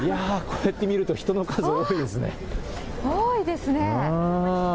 こうやって見ると人の数、多いですね。